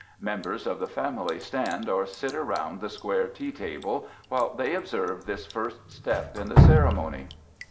Members of the family stand or sit about the square tea table while they observe this first step in the ceremony.